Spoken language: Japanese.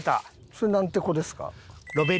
それなんて子ですか？